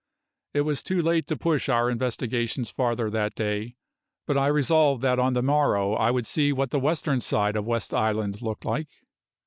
It was too late to push our investigations farther that day, but I resolved that on the morrow I would see what the western side of West Island looked like.